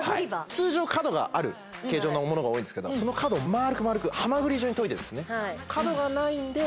通常角がある形状のものが多いんですけどその角をまるくまるくハマグリ状に研いでるんですね